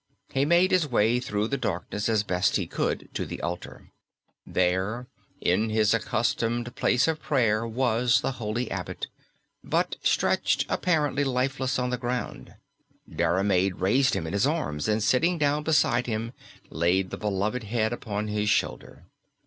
He made his way through the darkness as best he could to the altar. There in his accustomed place of prayer was the holy abbot, but stretched apparently lifeless on the ground. Diarmaid raised him in his arms, and sitting down beside him laid the beloved head upon his shoulder.